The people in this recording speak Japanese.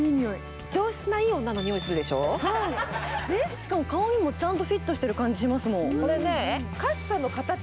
しかも顔にもちゃんとフィットしている感じがしますもん。